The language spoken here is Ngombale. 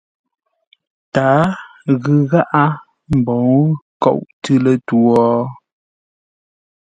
Tǎa ghʉ gháʼá mboŋə́ nkôʼ tʉ̌ lətwǒ?